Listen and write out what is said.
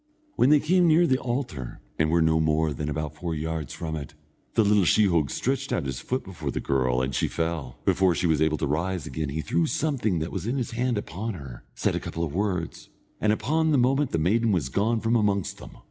When they came near the altar, and were no more than about four yards from it, the little sheehogue stretched out his foot before the girl, and she fell. Before she was able to rise again he threw something that was in his hand upon her, said a couple of words, and upon the moment the maiden was gone from amongst them.